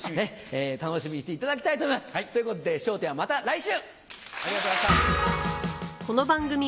楽しみにしていただきたいと思います！ということで『笑点』はまた来週！